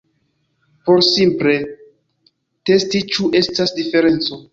Por simple testi ĉu estas diferenco